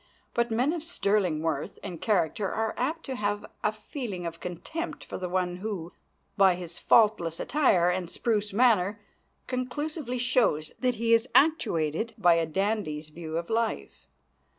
But men of sterling worth and character are apt to have a feeling of contempt for the one who, by his faultless attire and spruce manner, conclusively shows that he is actuated by a dandy's view of life.